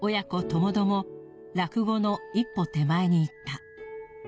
ともども落後の一歩手前に行った。